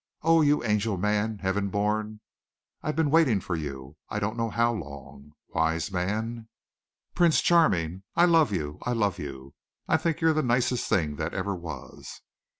"Oh, you angel man, heaven born! I've been waiting for you I don't know how long. Wise man! Prince Charming! I love you! I love you! I think you're the nicest thing that ever was."